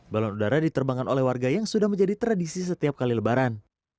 balon udara diterbangkan oleh warga yang sudah menjadi tradisi setiap kali lebaran